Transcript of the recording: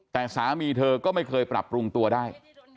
แต่สามีเธอก็ไม่เคยปรับปรุงตัวได้